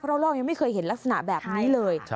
เพราะเรายังไม่เคยเห็นลักษณะแบบนี้เลย